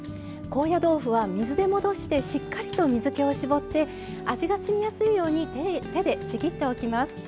高野豆腐は水で戻してしっかりと水けを絞って味がしみやすいように手で、ちぎっておきます。